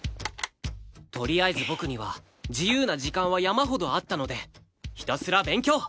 とりあえず僕には自由な時間は山ほどあったのでひたすら勉強！